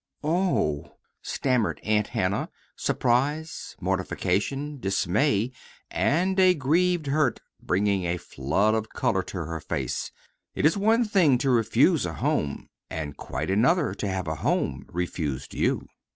O h h," stammered Aunt Hannah, surprise, mortification, dismay, and a grieved hurt bringing a flood of color to her face. It is one thing to refuse a home, and quite another to have a home refused you.